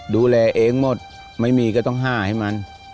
ดูแลเองหมดไม่มีก็ต้องห้าให้มัน